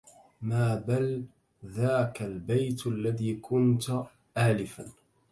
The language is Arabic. ما بل ذاك البيت الذي كنت آلفا